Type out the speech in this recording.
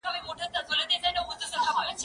زه به سبا چپنه پاک کړم؟